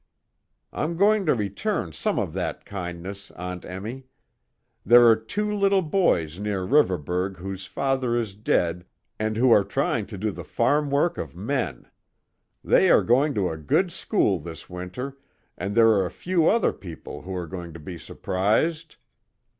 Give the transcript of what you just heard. "I'm going to return some of that kindness, Aunt Emmy. There are two little boys near Riverburgh whose father is dead and who are trying to do the farm work of men. They are going to a good school this winter, and there are a few other people who are going to be surprised!